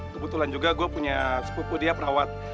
kebetulan juga gua punya sekutu dia perawat